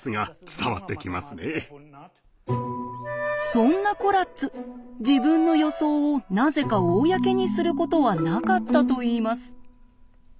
そんなコラッツ自分の予想をなぜか公にすることはなかったといいます。